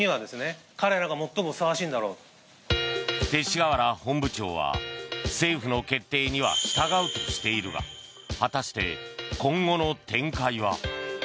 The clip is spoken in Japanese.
勅使河原本部長は政府の決定には従うとしているが果たして今後の展開は？